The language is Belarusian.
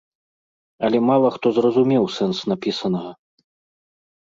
Але мала хто зразумеў сэнс напісанага.